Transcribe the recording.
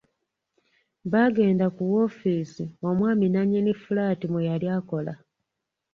Baagenda ku woofiisi omwami nnannyini fulaati mwe yali akola.